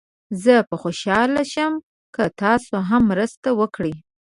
زه به خوشحال شم که تاسو هم مرسته وکړئ.